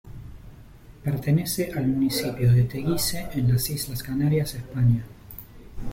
Pertenece al municipio de Teguise, en las Islas Canarias, España.